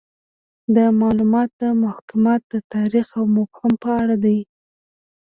دا معلومات د محاکات د تاریخ او مفهوم په اړه دي